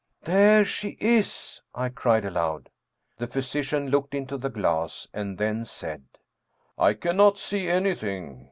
" There she is! " I cried aloud. The physician looked into the glass, and then said: " I cannot see anything.